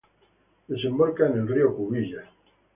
Desemboca en el río Cubillas.